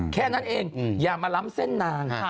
แค่นั้นเองอย่ามาล้ำเส้นนาง